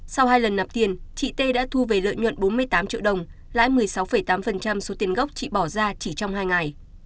sau hai lần nạp tiền chị t đã thu về lợi nhuận bốn mươi tám triệu đồng lãi một mươi sáu tám số tiền gốc chị bỏ ra chỉ trong hai ngày